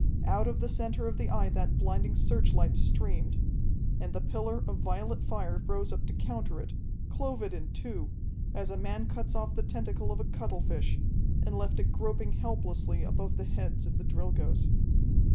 Out of the center of the Eye that blinding searchlight streamed. And the pillar of violet fire rose up to counter it, clove it in two, as a man cuts off the tentacle of a cuttlefish, and left it groping helplessly above the heads of the Drilgoes.